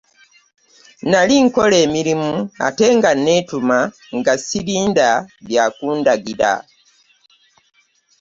Nnali nkola emirimu, ate nga nneetuma nga sirinda bya kundagira.